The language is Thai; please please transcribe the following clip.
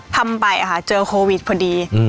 ทำไปอ่ะค่ะเจอโควิดพอดีอืม